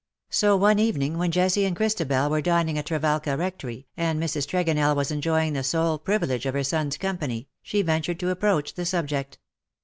So one evening, when Jessie and Christal^el were dining at Trevalga Rectory, and Mrs. Tregonell was enjoying the sole privilege of her son^s company, she ventured to approach the subject.